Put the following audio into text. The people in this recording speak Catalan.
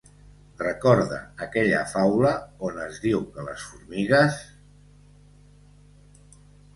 Recorda aquella faula on es diu que les formigues...